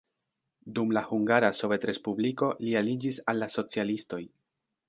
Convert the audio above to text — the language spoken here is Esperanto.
Dum la Hungara Sovetrespubliko li aliĝis al la socialistoj.